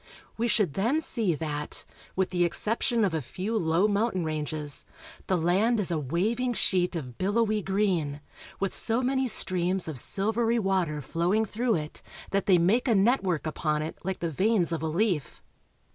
We should then see that, with the exception of a few low mountain ranges, the land is a waving sheet of billowy green, with so many streams of silvery water flowing through it that they make a network upon it Hke the veins of a leaf.